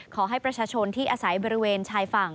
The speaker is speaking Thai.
ขอให้ประชาชนที่อาศัยบริเวณชายฝั่ง